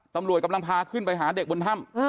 ตำรวจกำลังพาขึ้นไปหาเด็กบนถ้ำ